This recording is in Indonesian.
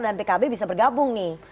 dan pkb bisa bergabung nih